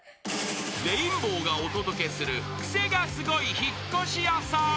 ［レインボーがお届けするクセがスゴい引っ越し屋さん］